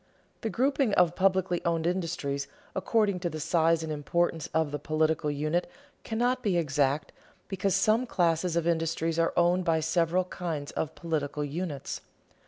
The grouping of publicly owned industries according to the size and importance of the political units cannot be exact, because some classes of industries are owned by several kinds of political units.